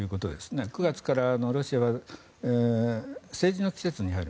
９月からロシアは政治の季節に入る。